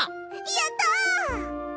やった！